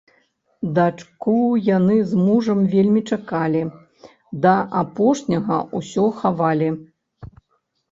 Дачку яны з мужам вельмі чакалі, да апошняга ўсё хавалі.